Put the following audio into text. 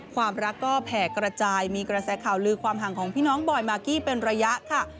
ความรักก็แผ่กระจายมีกระแสข่าวลือความห่างของพี่น้องบอยมากกี้เป็นระยะค่ะ